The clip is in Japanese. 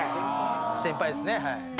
先輩ですね。